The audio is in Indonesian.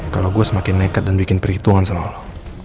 kalau gue semakin nekat dan bikin perhitungan sama lo